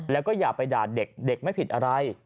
แล้วก็อย่าไปด่าเด็กเด็กไม่ผิดอะไร